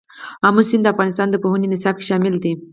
آمو سیند د افغانستان د پوهنې نصاب کې شامل دي.